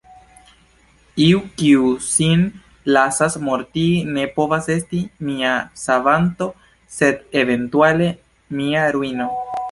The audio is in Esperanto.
Iu kiu sin lasas mortigi ne povas esti mia savanto, sed eventuale mia ruino.